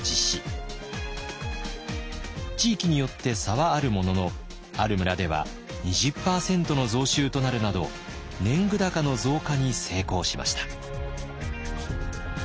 地域によって差はあるもののある村では２０％の増収となるなど年貢高の増加に成功しました。